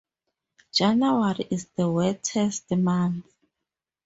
January is the wettest month.